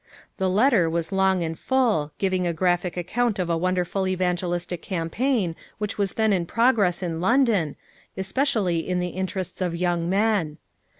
The letter was long and full, giving a graphic account of a wonderful evangelistic campaign which was then in progress in London, espe cially in the interests of young men.